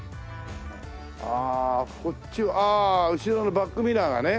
ああこっちはああ後ろのバックミラーがね。